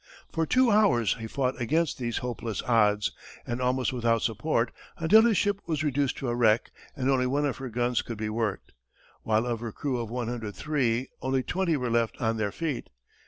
For two hours, he fought against these hopeless odds, and almost without support, until his ship was reduced to a wreck and only one of her guns could be worked, while of her crew of 103, only twenty were left on their feet.